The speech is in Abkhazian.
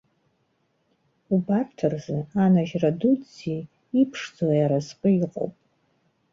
Убарҭ рзы, анажьра дуӡӡеи иԥшӡоу аразҟи ыҟоуп.